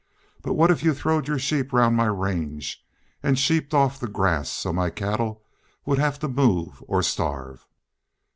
But what if you throwed your sheep round my range an' sheeped off the grass so my cattle would hev to move or starve?"